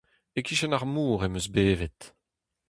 E-kichen ar mor em eus bevet.